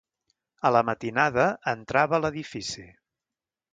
A la matinada, entrava a l’edifici.